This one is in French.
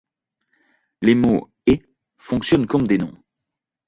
Les mots ' et ' fonctionnent comme des noms.